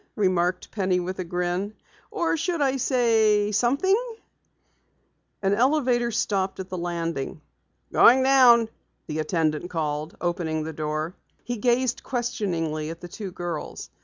remarked Penny with a grin. "Or should I say something?" An elevator stopped at the landing. "Going down," the attendant called, opening the door. He gazed questioningly at the two girls.